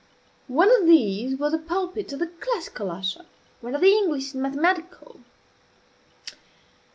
One of these was the pulpit of the "classical" usher; one, of the "English and mathematical."